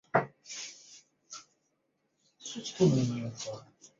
该线与北总线共用设施直至印幡日本医大站为止。